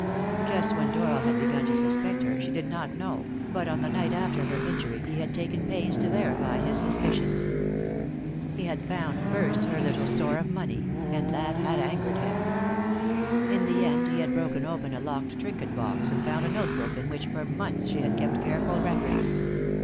Just when Doyle had begun to suspect her she did not know, but on the night after her injury he had taken pains to verify his suspicions. He had found first her little store of money, and that had angered him. In the end he had broken open a locked trinket box and found a notebook in which for months she had kept her careful records.